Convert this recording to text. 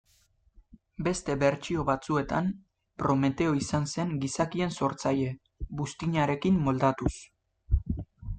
Beste bertsio batzuetan, Prometeo izan zen gizakien sortzaile, buztinarekin moldatuz.